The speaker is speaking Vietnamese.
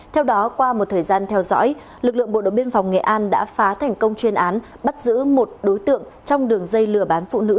theo đó qua một thời gian theo dõi lực lượng bộ đội biên phòng nghệ an đã phá thành công chuyên án bắt giữ một đối tượng trong đường dây lừa bán phụ nữ